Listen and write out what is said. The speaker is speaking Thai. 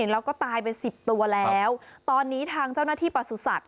แล้วก็ตายเป็นสิบตัวแล้วตอนนี้ทางเจ้าหน้าที่ประสุทธิ